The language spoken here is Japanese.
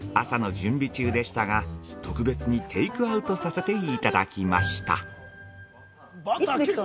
朝の準備中でしたが特別にテイクアウトさせていただきました。